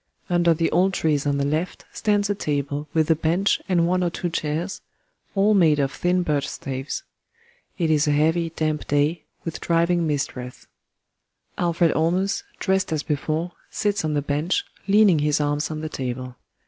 Under the old trees on the left stands a table with a bench and one or two chairs, all made of thin birch staves. It is a heavy, damp day, with driving mist wreaths.] [ALFRED ALLMERS, dressed as before, sits on the bench, leaning his arms on the table.